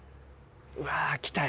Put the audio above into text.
うわ来たよ。